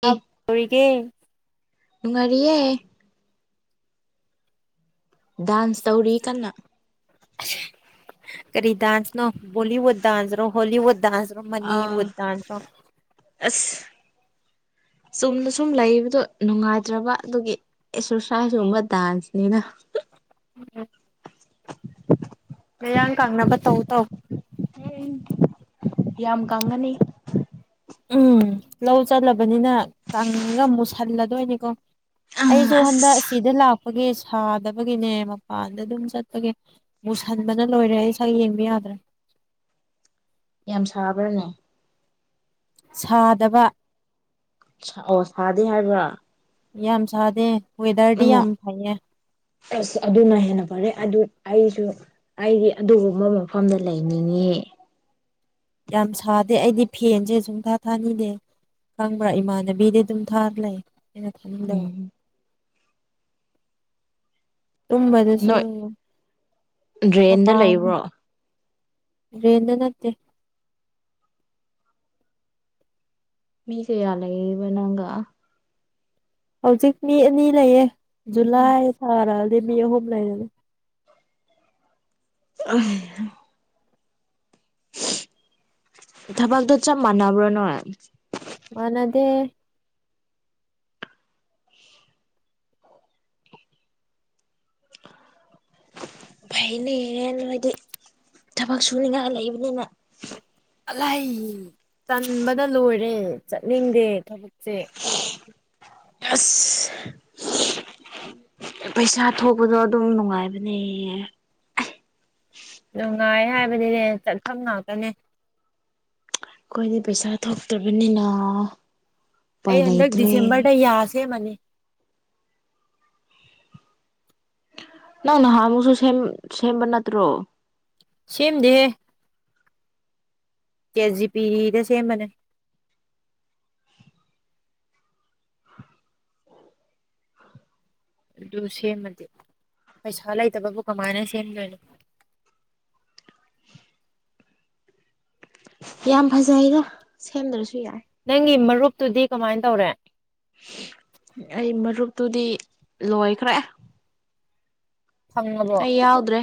ꯑꯦ ꯇꯥꯕ ꯑꯣꯏꯒꯦ [unintelligible] ꯅꯨꯡꯉꯥꯏꯔꯤꯌꯦ ꯗꯥꯟꯁ ꯇꯧꯔꯤ ꯀꯟꯅ ꯀꯔꯤ ꯗꯥꯥꯟꯁ ꯅꯣ ꯕꯣꯂꯤꯋꯨꯗ ꯗꯥꯟꯁ ꯔꯣ ꯍꯣꯂꯤꯎꯠ ꯗꯥꯟꯁ ꯔꯣ ꯑ ꯃꯅꯤꯋꯨꯠ ꯗꯥꯟꯁ ꯂꯣ ꯑꯁ ꯆꯨꯝꯅ ꯁꯨꯝ ꯂꯩꯕꯗꯣ ꯅꯨꯡꯉꯥꯏꯇ꯭ꯔꯕ ꯑꯗꯨꯒꯤ ꯑꯦꯛꯁꯥꯔꯁꯥꯏꯖ ꯀꯨꯝꯕ ꯗꯥꯥꯟꯁꯅꯤꯅ ꯃꯌꯥꯡ ꯀꯪꯅꯕ ꯇꯧ ꯇꯧ ꯌꯥꯝ ꯀꯪꯉꯅꯤ ꯎꯝ ꯂꯧ ꯆꯠꯂꯕꯅꯤꯅ ꯀꯪꯉꯒ ꯃꯨꯁꯜꯂꯗꯣꯏꯅꯤꯀꯣ ꯑ ꯑꯩꯁꯨ ꯍꯟꯗꯛ ꯑꯁ ꯑꯁꯤꯗ ꯂꯥꯛꯄꯒꯤ ꯁꯥꯗꯕꯒꯤꯅꯦ ꯃꯄꯥꯟꯗ ꯑꯗꯨꯝ ꯆꯠꯄꯒꯤ ꯃꯨꯁꯟꯕꯅ ꯂꯣꯏꯔꯦ ꯑꯩ ꯏꯁꯥ ꯌꯦꯡꯕ ꯌꯥꯗ꯭ꯔꯦ ꯌꯥꯝ ꯁꯥꯕ꯭ꯔꯅꯦ ꯁꯥꯗꯕ ꯁ ꯑꯣ ꯁꯥꯗꯦ ꯍꯥꯏꯕ꯭ꯔꯥ ꯌꯥꯝ ꯁꯥꯗꯦ ꯋꯦꯗꯔꯗꯤ ꯑꯣ ꯌꯥꯝ ꯐꯩꯌꯦ ꯑꯁ ꯑꯗꯨꯅ ꯍꯦꯟꯅ ꯐꯔꯦ ꯑꯗꯨ ꯑꯩꯁꯨ ꯑꯩꯗꯤ ꯑꯗꯨꯒꯨꯝꯕ ꯃꯐꯝꯗ ꯂꯩꯅꯤꯡꯉ‌‌ꯦ ꯌꯥꯝ ꯁꯥꯗꯦ ꯑꯩꯗꯤ ꯐꯦꯟꯁꯦ ꯁꯨꯡꯊꯥ ꯊꯥꯅꯤꯡꯗꯦ ꯈꯪꯕ꯭ꯔꯥ ꯏꯃꯥꯟꯅꯕꯤꯗꯤ ꯑꯗꯨꯝ ꯊꯥꯔ ꯂꯩ ꯑꯩꯅ ꯊꯥꯅꯤꯡꯗꯕ ꯎꯝ ꯇꯨꯝꯕꯗꯁꯨ ꯅꯣꯏ ꯗ꯭ꯔꯦꯟꯗ ꯃꯄꯥꯟ ꯂꯩꯕ꯭ꯔꯣ ꯇꯔꯦꯟꯗ ꯅꯠꯇꯦ ꯃꯤ ꯁ‌ꯦ ꯀꯌꯥ ꯂꯩꯌꯤꯕ ꯅꯪꯒ ꯍꯧꯖꯤꯛ ꯃꯤ ꯑꯅꯤ ꯂꯩꯌꯦ ꯖꯨꯂꯥꯏ ꯊꯥ ꯂꯥꯛꯑꯗꯤ ꯃꯤ ꯑꯍꯨꯝ ꯂꯩꯔꯅꯤ [unintelligible] ꯊꯕꯛꯇꯣ ꯆꯞ ꯃꯥꯟꯅꯕ꯭ꯔꯣ ꯅꯣꯏ ꯃꯥꯅꯗꯦ ꯐꯩꯅꯦ ꯅꯣꯏꯗꯤ ꯊꯕꯛ ꯁꯨꯅꯤꯡꯉꯥꯏ ꯂꯩꯕꯅꯤꯅ ꯑꯂꯥꯏ ꯇꯟꯕꯗ ꯂꯣꯏꯔꯦ ꯆꯠꯅꯤꯡꯗꯦ ꯊꯕꯛꯁꯦ ꯑꯁ ꯄꯩꯁꯥ ꯊꯣꯛꯄꯗꯣ ꯑꯗꯨꯝ ꯅꯨꯡꯉꯥꯏꯕꯅꯦ ꯅꯨꯡꯉꯥꯏ ꯍꯥꯏꯕꯗꯤꯅꯦ ꯆꯠꯐꯝ ꯉꯥꯛꯇꯅ‌ꯦ ꯑꯩꯈꯣꯏꯗꯤ ꯄꯩꯁꯥ ꯊꯣꯛꯇꯕꯅꯤꯅ ꯑꯩ ꯍꯟꯗꯛ ꯗꯤꯁꯦꯝꯕꯔꯗ ꯌꯥ ꯁꯦꯝꯃꯅꯤ ꯅꯪ ꯅꯍꯥꯟꯃꯨꯛꯁꯨ ꯁꯦꯝ ꯁ‌ꯦꯝꯕ ꯅꯠꯇ꯭ꯔꯣ ꯁꯦꯝꯗꯦꯍꯦ ꯆ‌ꯦꯇ ꯖꯤ ꯄꯤꯗ ꯁꯦꯝꯕꯅꯦ ꯑꯗꯨ ꯁꯦꯝꯃꯗꯤ ꯄꯩꯁꯥ ꯂꯩꯇꯕꯕꯨ ꯀꯃꯥꯏꯅ ꯁꯦꯝꯗꯣꯏꯅꯣ ꯌꯥꯝ ꯐꯖꯩꯗ ꯁꯦꯝꯗ꯭ꯔꯁꯨ ꯌꯥꯏ ꯅꯪꯒꯤ ꯃꯔꯨꯞꯇꯨꯗꯤ ꯀꯃꯥꯏꯅ ꯇꯧꯔꯦ ꯑꯩ ꯃꯔꯨꯞꯇꯨꯗꯤ ꯂꯣꯏꯈ꯭ꯔꯦ ꯐꯪꯉꯕ‌ꯣ ꯑꯩ ꯌꯥꯎꯗ꯭ꯔꯦ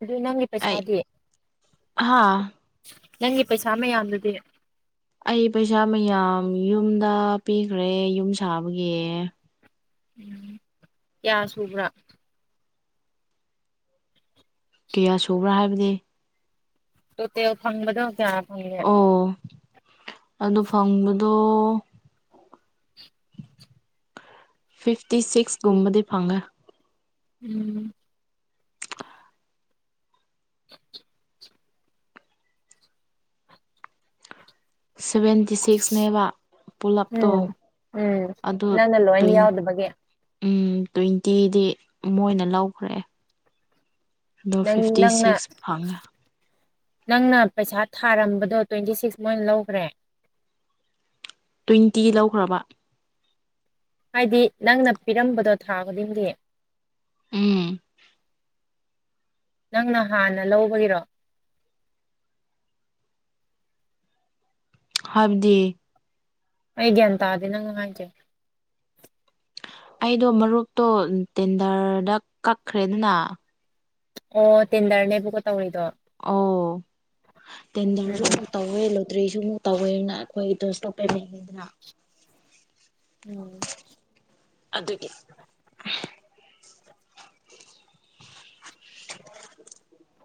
ꯑꯗꯨꯗꯤ ꯅꯪꯒꯤ ꯑꯩ ꯄꯩꯁꯥꯗꯤ ꯍꯥ ꯅꯪꯒꯤ ꯄꯩꯁꯥ ꯃꯌꯥꯝꯗꯨꯗꯤ ꯑꯩ ꯄꯩꯁꯥ ꯃꯌꯥꯝ ꯌꯨꯝꯗ ꯄꯤꯈ꯭ꯔꯦ ꯌꯨꯝ ꯁꯥꯕꯒꯤ ꯀꯌꯥ ꯁꯨꯕ꯭ꯔꯥ ꯀꯌꯥ ꯁꯨꯕ꯭ꯔꯥ ꯍꯥꯏꯕꯗꯤ ꯇ‌ꯣ ꯇ‌ꯦꯜ ꯐꯪꯕꯗ‌ꯣ ꯀꯌꯥ ꯐꯪꯒꯦ ꯑꯣ ꯑꯗꯨ ꯐꯪꯕꯗꯣ ꯐꯤꯐꯇꯤ ꯁꯤꯛꯁ ꯀꯨꯝꯕꯗꯤ ꯐꯪꯉꯦ ꯎꯝ [inaudible] ꯁꯚꯦꯟ ꯇꯤ ꯁꯤꯛꯁꯅꯦꯕ ꯄꯨꯂꯞꯇꯣ ꯎꯝ ꯎꯝ ꯑꯗꯨ ꯅꯪꯅ ꯂꯣꯏ ꯇꯋ‌ꯦꯟ ꯌꯥꯎꯗꯕꯒꯤ ꯎꯝ ꯇ꯭ꯋꯦꯟꯇꯤꯗꯤ ꯃꯣꯏꯅ ꯂꯧꯈ꯭ꯔꯦ ꯑꯗꯣ ꯅꯪ ꯐꯤꯐꯇꯤ ꯅꯪꯅ ꯁꯤꯛꯁ ꯐꯪꯉꯦ ꯅꯪꯅ ꯄꯩꯁꯥ ꯊꯥꯔꯝꯕꯗꯣ ꯇ꯭ꯋꯦꯟꯇꯤ ꯁꯤꯛꯁ ꯃꯣꯏꯅ ꯂꯧꯈ꯭ꯔꯦ ꯇ꯭ꯋꯦꯟꯇꯤ ꯂꯧꯈ꯭ꯔꯕ ꯍꯥꯏꯗꯤ ꯅꯪꯅ ꯄꯤꯔꯝꯕꯗꯣ ꯊꯥ ꯈꯨꯗꯤꯡꯒꯤ ꯎꯝ ꯅꯪꯅ ꯍꯥꯟꯅ ꯂꯧꯕꯒꯤꯔꯣ ꯍꯥꯏꯕꯗꯤ ꯑꯩ ꯒ꯭ꯌꯥꯟ ꯇꯥꯗꯦ ꯅꯪꯅ ꯍꯥꯏꯁꯦ ꯑꯩꯗꯣ ꯃꯔꯨꯞꯇꯣ ꯇꯦꯟꯗꯔꯗ ꯀꯛꯈ꯭ꯔꯦꯗꯅ ꯑꯣ ꯇꯦꯟꯗꯔꯅꯦꯕꯀꯣ ꯇꯧꯔꯤꯗꯣ ꯑꯣ ꯇꯦꯟꯗꯥꯔ ꯎꯝ ꯁꯨ ꯇꯧꯋꯦ ꯂꯣꯏꯇ꯭ꯔꯤꯁꯨ ꯑꯃꯨꯛ ꯇꯧꯋꯦꯅ ꯑꯩꯈꯣꯏꯒꯤꯗꯣ ꯗ꯭ꯔꯁꯇꯣꯄ [inaudible] ꯂꯩꯉꯗꯅ ꯎꯝ ꯑꯗꯨꯒꯤ [inaudible]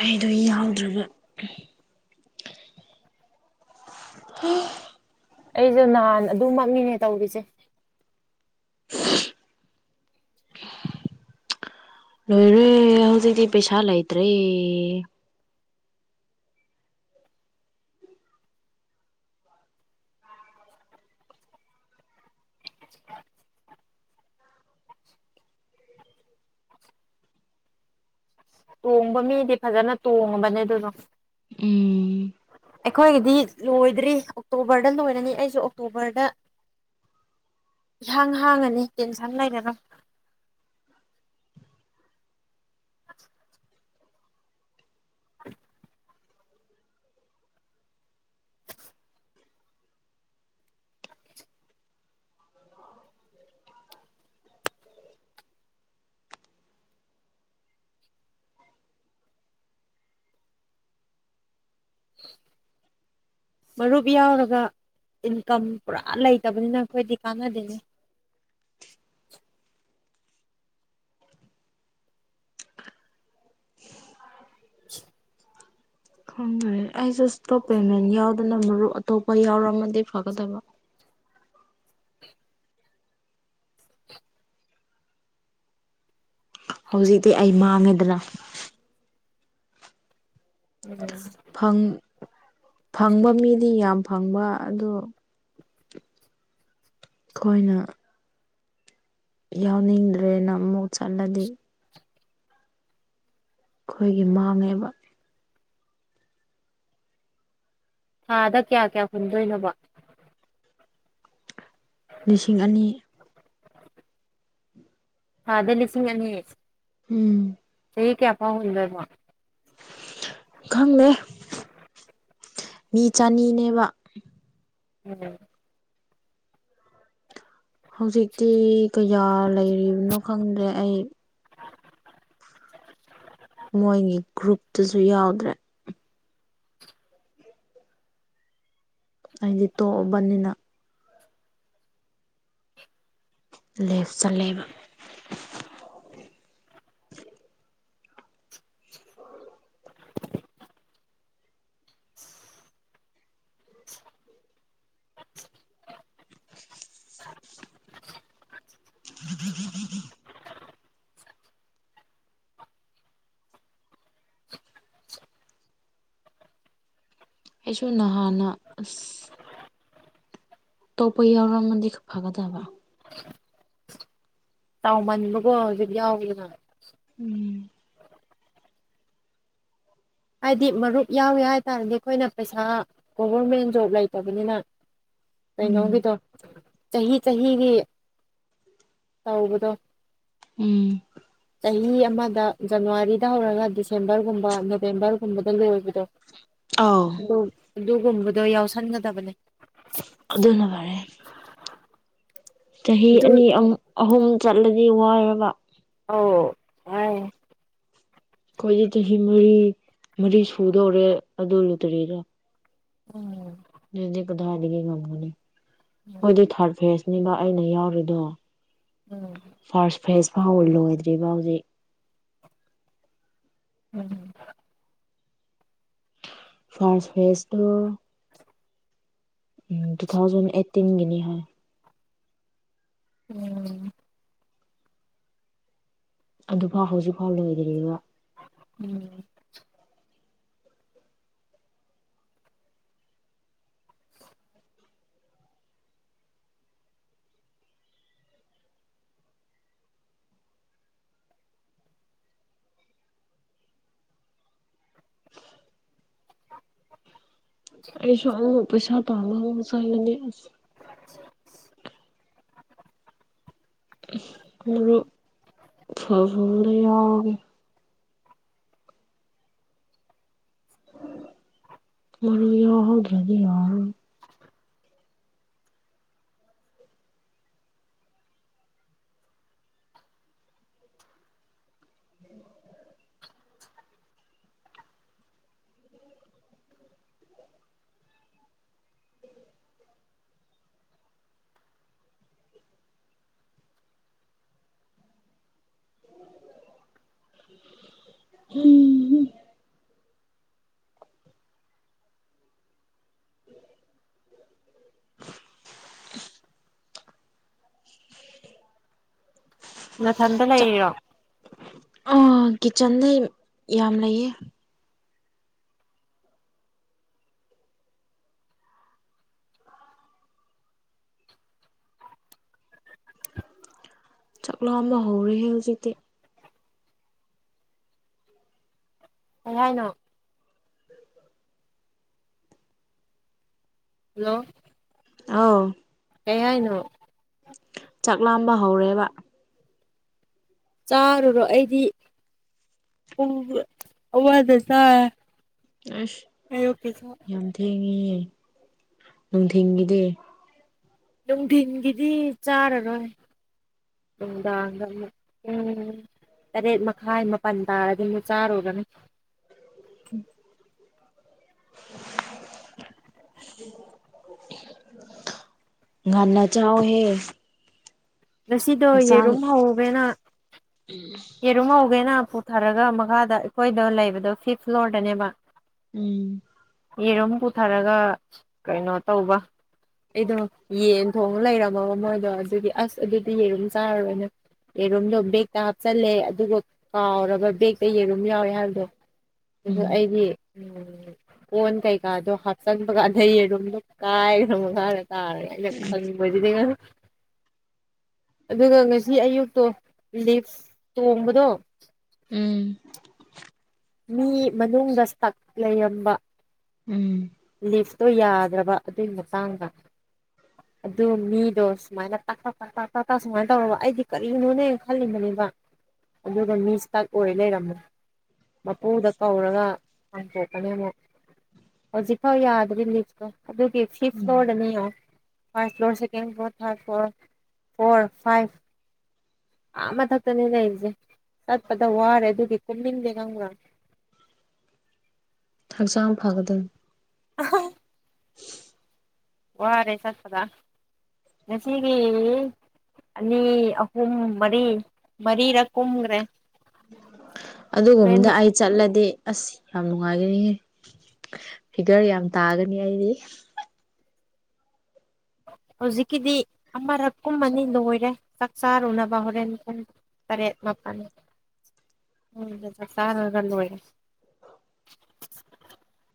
ꯑꯩꯗꯣ ꯌꯥꯎꯗ꯭ꯔꯕ ꯍꯝ [inaudible] ꯑꯩꯁꯦ ꯅꯍꯥꯟ ꯑꯗꯨꯃꯛꯅꯤꯅꯦ ꯇꯧꯔꯤꯁꯦ [inaudible] ꯅꯣꯏ꯭ꯔꯦ ꯍꯧꯖꯤꯛꯇꯤ ꯄꯩꯁꯥ ꯂꯩꯇꯔꯦ ꯇꯣꯡꯕ ꯃꯤꯗꯤ ꯐꯖꯅ ꯇꯣꯡꯉꯕꯅꯦ ꯑꯗꯨꯗꯣ ꯎꯝ ꯑꯩꯈꯣꯏꯒꯤꯗꯤ ꯂꯣꯏꯗ꯭ꯔꯤ ꯑꯣꯛꯇꯣꯕꯔꯗ ꯂꯣꯏꯔꯅꯤ ꯑꯩꯁꯨ ꯑꯣꯛꯇꯣꯕꯔꯗ [unintelligible] ꯏꯍꯥꯡ ꯍꯥꯡꯉꯅꯤ ꯇꯦꯟꯁꯟ ꯂꯩꯔꯔꯣꯏ [unintelligible] [inaudible] [unintelligible] ꯃꯔꯨꯞ ꯌꯥꯎꯔꯒ ꯏꯟꯀꯝ ꯄꯨꯔꯥ ꯂꯩꯇꯕꯅꯤꯅ ꯑꯩꯈꯣꯏꯗꯤ ꯀꯥꯟꯅꯗꯦꯅꯦ [unintelligible] ꯈꯪꯗꯔꯦ ꯑꯩꯁꯨ ꯁꯇꯣꯞ ꯄꯦꯃꯦꯟ ꯌꯥꯎꯗꯅ ꯃꯔꯨꯞ ꯑꯇꯣꯞꯄ ꯌꯥꯎꯔꯝꯃꯗꯤ ꯐꯥꯒꯗꯕ꯫ ꯍꯧꯖꯤꯛꯇꯤ ꯑꯩ ꯃꯥꯡꯉꯦꯗꯅ ꯎꯝ ꯐꯪꯕ ꯃꯤꯗꯤ ꯌꯥꯝ ꯐꯪꯕ ꯑꯗꯣ ꯑꯩꯈꯣꯏꯅ ꯌꯥꯎꯅꯤꯡꯗ꯭ꯔꯦꯅ ꯑꯃꯨꯛ ꯆꯠꯂꯗꯤ ꯑꯩꯈꯣꯏꯒꯤ ꯃꯥꯡꯉꯦꯕ ꯊꯥꯗ ꯀꯌꯥ ꯀꯌꯥ ꯍꯨꯟꯗꯣꯏꯅꯣꯕ ꯂꯤꯁꯤꯡ ꯑꯅꯤ ꯊꯥꯗ ꯂꯤꯁꯤꯡ ꯑꯅꯤ ꯎꯝ ꯆꯍꯤ ꯀꯌꯥꯐꯥꯎ ꯍꯨꯟꯗꯣꯢꯅꯣ ꯈꯪꯗꯦ ꯃꯤ ꯆꯅꯤꯅꯦꯕ ꯎꯝ ꯍꯧꯖꯤꯛꯇꯤ ꯀꯌꯥ ꯂꯩꯔꯤꯕꯅꯣ ꯈꯪꯗ꯭ꯔꯦ ꯑꯩ ꯑ [inaudible] ꯃꯣꯏꯒꯤ ꯒ꯭ꯔꯨꯞꯇꯁꯨ ꯌꯥꯎꯗ꯭ꯔꯦ ꯑꯩꯗꯤ ꯇꯣꯛꯑꯕꯅꯤꯅ ꯂꯦꯞ ꯆꯠꯂꯦꯕ ꯑꯩꯁꯨ ꯅꯍꯥꯟꯅ ꯑꯁ ꯇꯣꯄ ꯌꯥꯎꯔꯝꯃꯗꯤ ꯐꯒꯗꯕ ꯇꯥꯎꯃꯟꯕꯒꯣ ꯍꯧꯖꯤꯛ ꯌꯥꯎꯕꯗꯨꯅ ꯎꯝ ꯍꯥꯏꯗꯤ ꯃꯔꯨꯞ ꯌꯥꯎꯒꯦ ꯍꯥꯏꯇꯥꯔꯗꯤ ꯑꯩꯈꯣꯏꯅ ꯄꯩꯁꯥ ꯒꯣꯕꯔꯃꯦꯟ ꯖꯣꯕ ꯂꯩꯇꯕꯅꯤꯅ ꯎꯝ ꯀꯩꯅꯣꯒꯤꯗꯣ ꯆꯍꯤ ꯆꯍꯤꯒꯤ ꯇꯧꯕꯗꯣ ꯎꯝ ꯆꯍꯤ ꯑꯃꯗ ꯖꯅꯋꯥꯔꯤꯗ ꯍꯧꯔꯒ ꯗꯤꯁꯦꯝꯕꯔꯒꯨꯝꯕ ꯦꯝꯕꯥꯔꯒꯨꯝꯕꯗꯜ ꯂꯩ ꯑꯣꯏꯕꯤꯗꯣ ꯑꯥꯎ ꯑꯗꯨ ꯑꯗꯨꯒꯨꯝꯕꯗꯣ ꯌꯥꯎꯁꯟꯒꯗꯕꯅꯦ ꯑꯗꯨꯅꯕꯔꯦ ꯆꯍꯤ ꯑꯗꯨ ꯑꯅꯤ ꯑꯍꯨꯝ ꯆꯠꯂꯗꯤ ꯋꯥꯔꯕ ꯑꯧ ꯍꯥꯏ ꯑꯩꯈꯣꯏꯗꯤ ꯆꯍꯤ ꯃꯔꯤ ꯃꯔꯤ ꯁꯨꯗꯧꯔꯦ ꯑꯗꯨ ꯂꯨꯇꯔꯤꯦꯗ ꯎꯝ ꯑꯗꯨꯗ ꯀꯗꯥꯏꯗꯒꯤ ꯉꯝꯒꯅꯤ ꯎꯝ ꯃꯣꯏꯗꯤ ꯊꯥꯔꯠ ꯐꯦꯁꯅꯤꯕ ꯑꯩꯅ ꯌꯥꯎꯔꯤꯗꯣ ꯎꯝ ꯐꯥꯔꯁ ꯐ꯭ꯔꯦꯖ ꯐꯥꯎ ꯂꯣꯏꯗ꯭ꯔꯤꯕ ꯍꯧꯖꯤꯛ ꯎꯝꯝ ꯐꯁ ꯐꯦꯁꯣ ꯎꯝ ꯇꯨ ꯊꯥꯎꯖꯟ ꯑꯩꯠꯇꯤꯟꯒꯤꯅꯤ ꯍ ꯎꯝ ꯑꯗꯨꯐꯥꯎ ꯍꯧꯖꯤꯛꯐꯥꯎ ꯂꯣꯏꯗ꯭ꯔꯤꯕ ꯎꯝ ꯑꯩꯁꯨ ꯑꯃꯨ ꯄꯩꯁꯥ ꯄꯥꯕ ꯑꯃꯨꯛ ꯆꯪꯂꯅꯤ ꯑꯁ ꯁꯤꯛꯁ ꯃꯔꯣ ꯐꯗ ꯌꯥꯎꯒꯦ ꯃꯔꯨ ꯌꯎ ꯍꯧꯒꯗꯤ [inaudible] [unintelligible] ꯍꯨꯝꯍꯨꯝ [unintelligible] ꯅꯊꯟꯗ ꯆꯥꯛ ꯂꯩꯔꯤꯔꯣ ꯑꯥ ꯀꯤꯠꯆꯟꯗ ꯌꯥꯝ ꯂꯩꯌꯦ ꯆꯥꯛꯂꯥꯝꯕ ꯍꯧꯔꯦꯍꯦ ꯍꯨꯖꯤꯛꯇꯤ ꯀꯩꯍꯥꯏꯅꯣ [unintelligible] ꯍꯜꯂꯣ ꯑꯣ ꯀꯩ ꯍꯥꯏꯅꯣ ꯆꯥꯛ ꯂꯥꯝꯕ ꯍꯧꯔꯦꯕ ꯆꯥꯔꯨꯔꯣ ꯑꯩꯗꯤ ꯄꯨꯡ ꯑꯃꯗ ꯆꯥꯔꯦ ꯑꯁ ꯌꯥꯝ ꯊꯦꯡꯉꯤꯍꯦ ꯅꯨꯡꯊꯤꯟꯒꯤꯗꯤ ꯅꯨꯡꯊꯤꯟꯒꯤꯗꯤ ꯆꯥꯔꯔꯣꯏ ꯅꯨꯡꯗꯥꯡꯗ ꯑꯃꯨꯛ ꯄꯨꯡ ꯇꯔꯦꯠ ꯃꯈꯥꯏ ꯃꯥꯄꯟ ꯇꯥꯔꯗꯤ ꯑꯃꯨꯛ ꯆꯥꯔꯨꯔꯅꯤ [unintelligible] [unintelligible] ꯉꯟꯅ ꯆꯥꯎꯍꯦ ꯉꯁꯤꯗꯣ ꯍꯛꯆꯥꯡ ꯌꯦꯔꯨꯝ ꯍꯧꯒꯦꯅ [unintelligible] ꯌꯦꯔꯨꯝ ꯍꯧꯒꯦꯅ ꯄꯨꯊꯔꯒ ꯃꯈꯥꯗ ꯑꯩꯈꯣꯏꯗ ꯂꯩꯕꯗꯣ ꯐꯤꯐ ꯐ꯭ꯂꯣꯔꯗꯅꯦꯕ ꯎꯝ ꯌꯦꯔꯨꯝ ꯄꯨꯊꯔꯒ ꯀꯩꯅꯣ ꯇꯧꯕ ꯑꯩꯗꯣ ꯌꯦꯟ ꯊꯣꯡꯉ ꯂꯩꯔꯝ ꯂꯕ ꯃꯣꯏꯗꯣ ꯑꯗꯨꯒꯤ ꯑꯁ ꯑꯗꯨꯗꯤ ꯌꯦꯔꯨꯝ ꯆꯥꯔꯔꯣꯏꯅ ꯌꯦꯔꯨꯝꯗꯣ ꯕꯦꯛꯇ ꯍꯥꯞ ꯆꯜꯂꯦ ꯑꯗꯨꯒ ꯀꯥꯎꯔꯕ ꯕꯦꯛꯇ ꯌꯦꯔꯨꯝ ꯌꯥꯎꯔꯤ ꯍꯥꯏꯕꯗꯣ ꯑꯗꯨꯒ ꯎꯝ ꯑꯩꯗꯤ [unintelligible] ꯀꯣꯟ ꯀꯩꯀꯥꯗꯣ ꯍꯥꯞꯆꯟꯕ ꯀꯥꯟꯗ ꯌꯦꯔꯨꯝꯗꯣ ꯀꯥꯏꯔꯒ ꯃꯈꯥꯗ ꯇꯥꯔꯦ ꯑꯩꯅ ꯈꯪ [unintelligible] ꯑꯗꯨꯒ ꯉꯁꯤ ꯑꯌꯨꯛꯇꯣ ꯂꯤꯐꯁ ꯇꯣꯡꯕꯗꯣ ꯎꯝ ꯃꯤ ꯃꯅꯨꯡꯗ ꯁ꯭ꯇꯛ ꯂꯩꯔꯝꯕ ꯎꯝ ꯂꯤꯐꯇꯣ ꯌꯥꯗ꯭ꯔꯕ ꯑꯗꯨꯏ ꯃꯇꯥꯡꯗ [inaudible] ꯑꯗꯨꯒ ꯃꯤꯗꯣ ꯁꯨꯃꯥꯏꯅ ꯇꯥꯛ ꯇꯥꯛ ꯇꯥꯛ ꯇꯥꯛ ꯇꯥꯛ ꯇꯥꯛ ꯁꯨꯃꯥꯏꯅ ꯇꯧꯔꯕ ꯑꯩꯗꯤ ꯀꯔꯤꯅꯣꯅꯦ ꯈꯜꯂꯨꯕꯅꯦꯕ ꯑꯗꯨꯒ ꯃꯤ ꯁ꯭ꯇꯛ ꯑꯣꯏ ꯂꯩꯔꯝꯃꯦ ꯃꯄꯨꯗꯣ ꯀꯧꯔꯒ ꯍꯥꯡꯇꯣꯛꯄꯅꯦ ꯑꯃꯨꯛ ꯍꯧꯖꯤꯛ ꯐꯥꯎ ꯌꯥꯗ꯭ꯔꯤ ꯂꯤꯐꯇꯣ ꯑꯗꯨꯒꯤ ꯐꯤꯐ ꯎꯝ ꯐ꯭ꯂꯣꯔꯗꯅꯤꯅ first floor second floor third floor four five ꯑꯥ ꯃꯊꯛꯇꯅꯦ ꯂꯩꯔꯤꯖꯦ ꯆꯠꯄꯗ ꯋꯥꯔꯦ ꯑꯗꯨꯒꯤ ꯀꯨꯝꯅꯤꯡꯗꯦ ꯈꯪꯕ꯭ꯔꯥ ꯍꯛꯆꯥꯡ ꯐꯒꯗꯝ [unintelligible] ꯋꯥꯔꯦ ꯆꯠꯄꯗ ꯉꯁꯤꯒꯤ ꯑꯅꯤ ꯑꯍꯨꯝ ꯃꯔꯤ ꯃꯔꯤꯔꯛ ꯀꯨꯝꯒ꯭ꯔꯦ ꯑꯗꯨꯒꯨꯝꯗ ꯑꯩ ꯆꯠꯂꯗꯤ ꯑꯁ ꯌꯥꯝ ꯅꯨꯡꯉꯥꯏꯒꯅꯤ ꯐꯤꯒꯔ ꯌꯥꯝ ꯇꯥꯒꯅꯤ ꯑꯩꯗꯤ ꯍꯧꯖꯤꯛꯀꯤꯗꯤ ꯑꯃꯔꯛ ꯀꯨꯝꯃꯅꯤ ꯂꯣꯏꯔꯦ ꯆꯥꯛ ꯆꯥꯔꯨꯅꯕ ꯍꯣꯔꯦꯟ ꯐꯔꯦꯠꯄꯅꯤ ꯎ ꯆꯒ ꯑꯣꯏꯦ